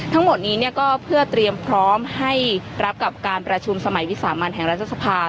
ทั้งหมดนี้ก็เพื่อเตรียมพร้อมให้รับกับการประชุมสมัยวิสามันแห่งรัฐสภา